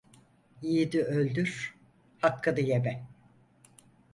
Yiğidi öldür; hakkını yeme.